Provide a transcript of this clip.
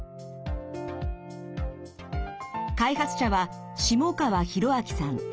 開発者は下川宏明さん。